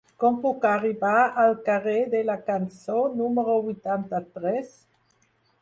Com puc arribar al carrer de la Cançó número vuitanta-tres?